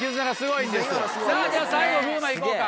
さぁじゃあ最後風磨いこうか。